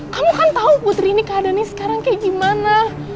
kamu kan tahu putri ini keadaannya sekarang kayak gimana